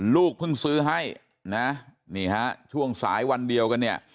ลูกเพิ่งซื้อให้ช่วงสายวันเดียวกัน